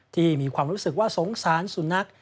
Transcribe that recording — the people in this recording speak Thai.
ที่มีความรู้สึกว่าสงสารสุนัข